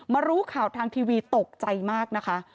รู้ข่าวทางทีวีตกใจมากนะคะ